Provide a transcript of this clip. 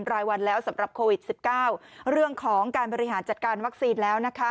รายวันแล้วสำหรับโควิด๑๙เรื่องของการบริหารจัดการวัคซีนแล้ว